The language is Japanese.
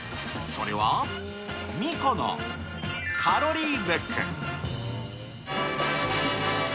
それは、ミコのカロリーＢＯＯＫ。